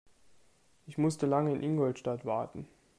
Ich musste lange in Ingolstadt warten